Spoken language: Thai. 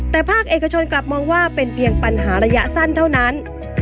แต่ภาคเอกชนกลับมองว่าเป็นเพียงปัญหาระยะสั้นเท่านั้น